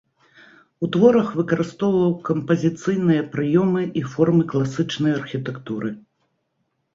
У творах выкарыстоўваў кампазіцыйныя прыёмы і формы класічнай архітэктуры.